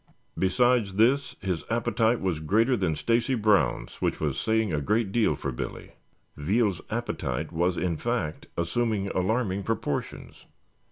Besides this, his appetite was greater than Stacy Brown's, which was saying a great deal for Billy. Veal's appetite was, in fact, assuming alarming proportions.